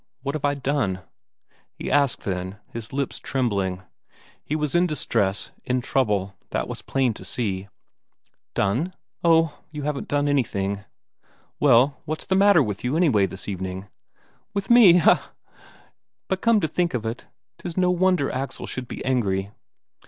What have I done?" he asked then, his lips trembling. He was in distress, in trouble, that was plain to see. "Done? Oh, you haven't done anything." "Well, what's the matter with you, anyway, this evening?" "With me? Ha ha ha! But come to think of it, 'tis no wonder Axel should be angry."